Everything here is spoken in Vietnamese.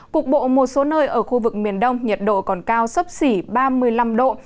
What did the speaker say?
cục bộ một số nơi ở khu vực miền đông nhiệt độ còn cao sấp xỉ ba mươi năm độ